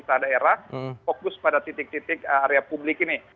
pemerintah daerah fokus pada titik titik area publik ini